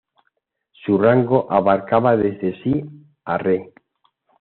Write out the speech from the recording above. Su rango abarcaba desde Si a Re.